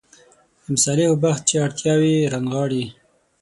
د مصالحو بحث چې اړتیاوې رانغاړي.